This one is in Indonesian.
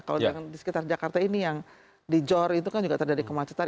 kalau di sekitar jakarta ini yang di jor itu kan juga terjadi kemacetan